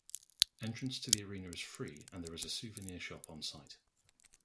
Entrance to the arena is free and there is a souvenir shop onsite.